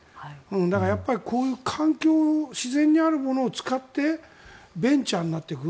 だから、こういう環境自然にあるものを使ってベンチャーになっていく。